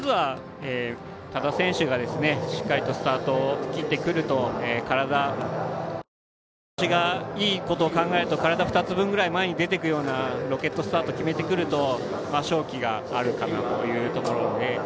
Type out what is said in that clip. まずは多田選手がしっかりスタートを切ってくると調子がいいことを考えると体２つ分くらい前に出てくるようなロケットスタートを決めてくると勝機があるかなというところ。